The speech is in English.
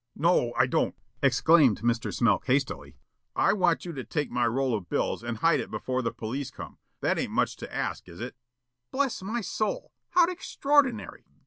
"No, I don't," exclaimed Mr. Smilk hastily. "I want you to take my roll of bills and hide it before the police come. That ain't much to ask, is it?" "Bless my soul! How extraordinary!"